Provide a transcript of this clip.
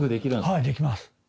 はいできます。